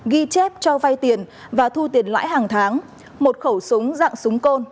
ghi chép cho vay tiền và thu tiền lãi hàng tháng một khẩu súng dạng súng côn